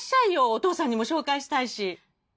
お父さんにも紹介したいし。